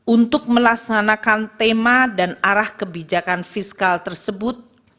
untuk melaksanakan tema dan arah kebijakan fiskal tersebut